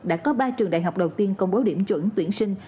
đã có ba trường đại học đầu tiên công bố điểm chuẩn tuyển sinh